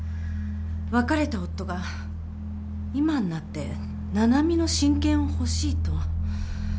別れた夫が今になって七海の親権を欲しいと。